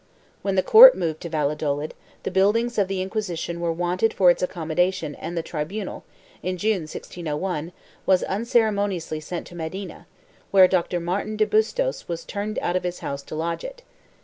When the court moved to Valladolid, the buildings of the Inquisition were wanted for its accommodation and the tribunal, in June 1601, was unceremoni ously sent to Medina, where Dr. Martin de Bustos was turned out of his house to lodge it.